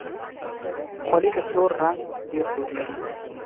خولۍ د تور رنګ ډېر دود لري.